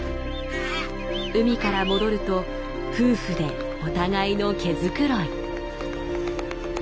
海から戻ると夫婦でお互いの毛繕い。